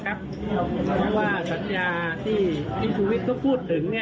เพราะว่าสัญญาที่ชูวินเขาพูดถึง